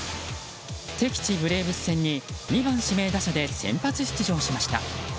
敵地ブレーブス戦に２番指名打者で先発出場しました。